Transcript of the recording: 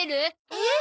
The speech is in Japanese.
えっ？